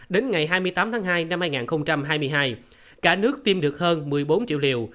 đến ngày hai mươi tám tháng hai năm hai nghìn hai mươi hai cả nước tiêm được hơn một mươi bốn triệu liều